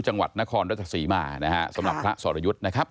จังหวัดนครรัฐศรีมาร์นะครับสำหรับพระสรยุทธนะครับ